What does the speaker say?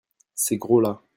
Ces gros-là.